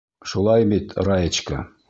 Шулай бит, Раечка!